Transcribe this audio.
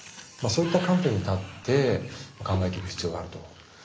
そういった観点に立って考えていく必要があると。